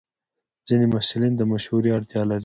ځینې محصلین د مشورې اړتیا لري.